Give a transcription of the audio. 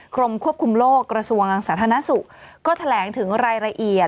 กรมควบคุมโลกกระทรวงสาธารณสุขก็แถลงถึงรายละเอียด